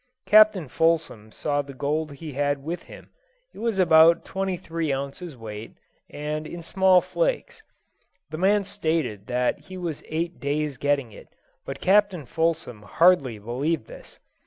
Captain Fulsom saw the gold he had with him; it was about twenty three ounces weight, and in small flakes. The man stated that he was eight days getting it, but Captain Fulsom hardly believed this.